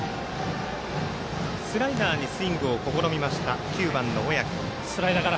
スライダーにスイングを試みました９番の小宅。